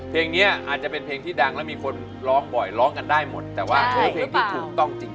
เพลงนี้อาจจะเป็นเพลงที่ดังแล้วมีคนร้องบ่อยร้องกันได้หมดแต่ว่าคือเพลงที่ถูกต้องจริง